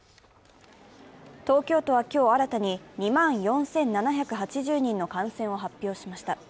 東京都は今日新たに２万４７８０人の感染を発表しました。